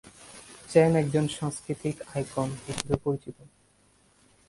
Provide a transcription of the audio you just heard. চ্যান একজন সাংস্কৃতিক আইকন হিসেবে পরিচিত।